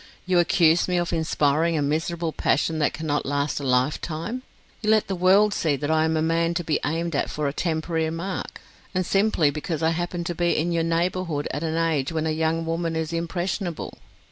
You accuse me of inspiring a miserable passion that cannot last a lifetime! You let the world see that I am a man to be aimed at for a temporary mark! And simply because I happen to be in your neighbourhood at an age when a young woman is impressionable!